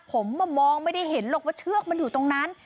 ผมมองไม่ได้เห็นหรอกว่าเชือกมันอยู่ตรงนั้น